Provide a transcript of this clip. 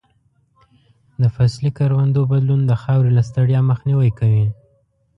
د فصلي کروندو بدلون د خاورې له ستړیا مخنیوی کوي.